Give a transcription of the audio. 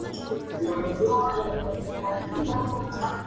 Las personas no tienen "algo que esconder" para necesitar esconder "algo".